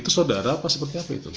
itu saudara apa seperti apa itu